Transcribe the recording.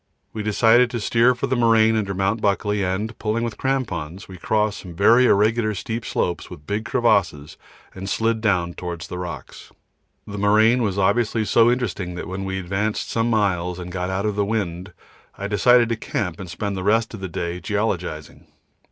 We decided to steer for the moraine under Mt. Buckley and, pulling with crampons, we crossed some very irregular steep slopes with big crevasses and slid down towards the rocks. The moraine was obviously so interesting that when we had advanced some miles and got out of the wind, I decided to camp and spend the rest of the day geologising.